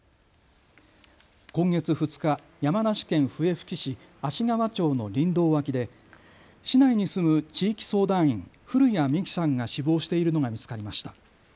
今月２日、山梨県笛吹市芦川町の林道脇で市内に住む地域相談員、古屋美紀さんが死亡しているのが見つかりました。